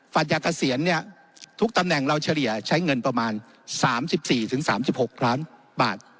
จากเกษียณเนี่ยทุกตำแหน่งเราเฉลี่ยใช้เงินประมาณ๓๔๓๖ล้านบาท